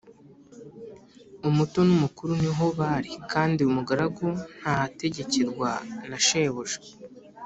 umuto n’umukuru ni ho bari, kandi umugaragu ntahategekerwa na shebuja